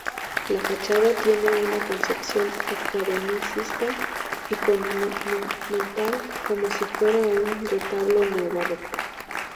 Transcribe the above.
La fachada tiene una concepción academicista y monumental como si fuera un retablo neobarroco.